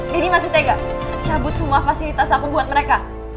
deddy masih tega cabut semua fasilitas aku buat mereka